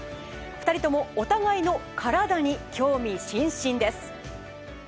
２人ともお互いの体に興味津々です。